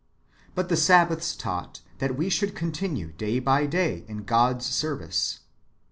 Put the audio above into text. ^ But the Sabbaths taught that w^e should continue day by day in God's service.